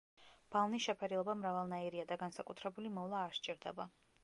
ბალნის შეფერილობა მრავალნაირია და განსაკუთრებული მოვლა არ სჭირდება.